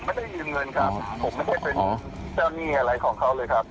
ไม่ได้ยืมเงินครับผมไม่ได้เป็นเจ้าหนี้อะไรของเขาเลยครับ